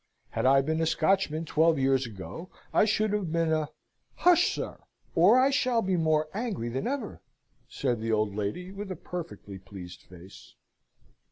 Had I been a Scotchman twelve years ago, I should have been a " "Hush, sir! or I shall be more angry than ever!" said the old lady, with a perfectly pleased face.